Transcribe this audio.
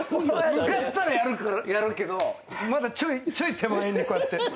向かったらやるけどまだちょい手前にこうやって。